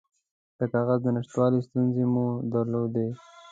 د کاغذ د نشتوالي ستونزه مې درلوده.